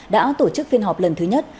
đã tổ chức phiên họp lần thứ nhất